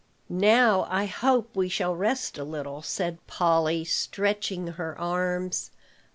"Now, I hope we shall rest a little," said Polly, stretching her arms.